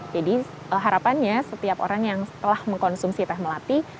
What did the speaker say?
jadi harapannya setiap orang yang telah mengkonsumsi teh melati